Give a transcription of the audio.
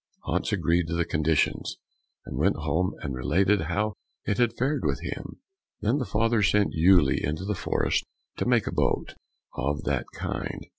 Hans agreed to the conditions, and went home, and related how it had fared with him. Then the father sent Uele into the forest to make a boat of that kind.